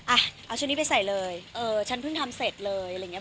อ่ะเอาชุดนี้ไปใส่เลยเออฉันเพิ่งทำเสร็จเลยอะไรอย่างเงี้